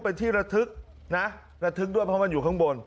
เป็นที่ระทึกนะระทึกด้วยเพราะมันอยู่ข้างบน